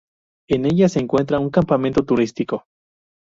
En ella se encuentra un campamento turístico.